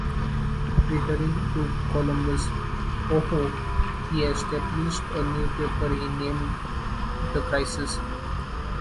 Returning to Columbus, Ohio, he established a newspaper he named "The Crisis".